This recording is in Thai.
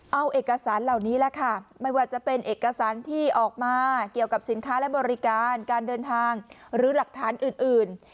เอาเอกสารเหล่านี้แหละค่ะไม่ว่าจะเป็นเอกสารที่ออกมาเกี่ยวกับสินค้าและบริการการเดินทางหรือหลักฐานอื่น